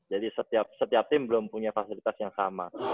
jadi setiap tim belum punya fasilitas yang sama